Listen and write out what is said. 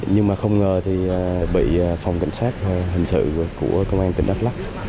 nhưng mà không ngờ thì bị phòng cảnh sát hình sự của công an tỉnh đắk lắc